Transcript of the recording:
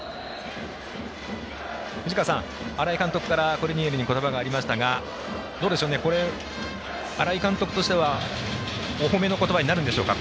藤川さん新井監督からコルニエルに言葉がありましたがどうでしょうね、これ新井監督としてはお褒めの言葉になるんでしょうか。